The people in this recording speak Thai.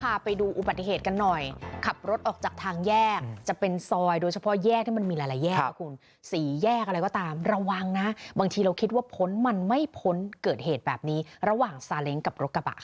พาไปดูอุบัติเหตุกันหน่อยขับรถออกจากทางแยกจะเป็นซอยโดยเฉพาะแยกที่มันมีหลายแยกนะคุณสี่แยกอะไรก็ตามระวังนะบางทีเราคิดว่าพ้นมันไม่พ้นเกิดเหตุแบบนี้ระหว่างซาเล้งกับรถกระบะค่ะ